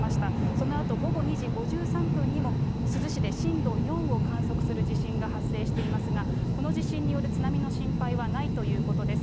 そのあと午後２時５３分にも珠洲市で震度４を観測する地震が発生していますが、この地震による津波の心配はないということです。